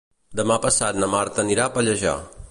Demà passat na Marta anirà a Pallejà.